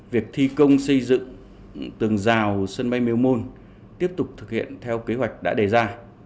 việc thi công xây dựng tường rào sân bay miêu môn tiếp tục thực hiện theo kế hoạch đã đề ra